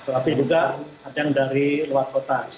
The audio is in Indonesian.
tapi juga ada yang dari luar kota